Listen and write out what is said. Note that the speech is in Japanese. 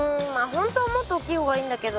ほんとはもっとおっきい方がいいんだけど。